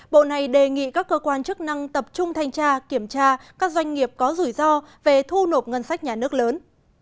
bộ này đề nghị các cơ quan chức năng tập trung thanh tra kiểm tra các doanh nghiệp có rủi ro về thu nộp ngân sách nhà nước lớn